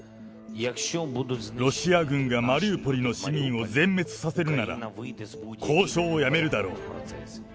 ロシア軍がマリウポリの市民を全滅させるなら、交渉はやめるだろう。